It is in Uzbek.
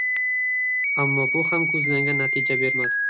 Ammo bu ham koʻzlangan natijani bermadi.